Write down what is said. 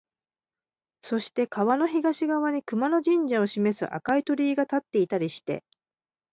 そして川の東側に熊野神社を示す赤い鳥居が立っていたりして、